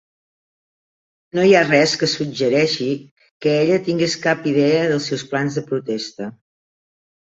No hi ha res que suggereixi que ella tingués cap idea dels seus plans de protesta.